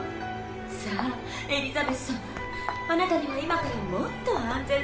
さあエリザベス様あなたには今からもっと安全な場所へ。